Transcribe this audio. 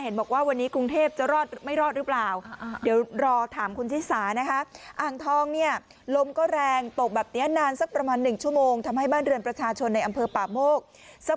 เห็นบอกว่าวันนี้กรุงเทพฯจะรอดไม่รอดหรือเปล่า